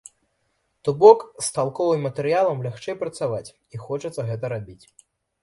То бок, з талковым матэрыялам лягчэй працаваць, і хочацца гэта рабіць.